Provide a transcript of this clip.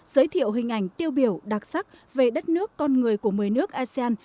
giới thiệu hình ảnh tiêu biểu đặc sắc về đất nước con người của một mươi nước asean